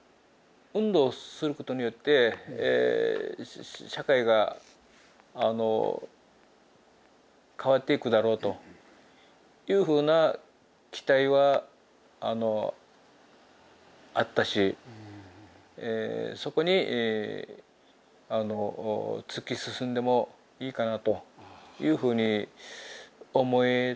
運動することによって社会が変わっていくだろうというふうな期待はあったしそこに突き進んでもいいかなというふうに思えたんでね当時。